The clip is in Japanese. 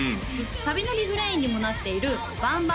サビのリフレインにもなっている「Ｂａｎｇ！